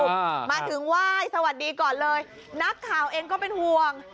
อ่ามาถึงไหว้สวัสดีก่อนเลยนักข่าวเองก็เป็นห่วง